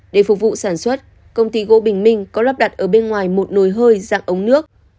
để phục vụ sản xuất công ty gỗ bình minh có lắp đặt ở bên ngoài một nồi hơi dạng ống nước